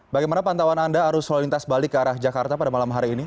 bagaimana pantauan anda arus lalu lintas balik ke arah jakarta pada malam hari ini